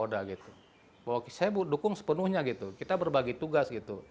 saya dukung sepenuhnya gitu kita berbagi tugas gitu